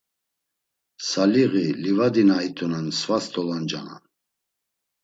Saliği Livadi na it̆unan svas doloncanan.